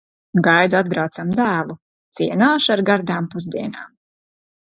Gaidu atbraucam dēlu, cienāšu ar gardām pusdienām.